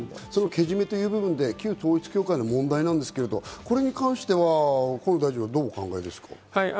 けじめっていう部分で旧統一教会の問題なんですけど、これに関しては河野大事はどうお考えですか？